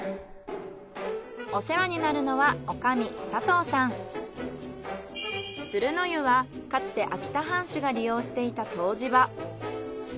お世話になるのは鶴の湯はかつて秋田藩主が利用していた湯治場。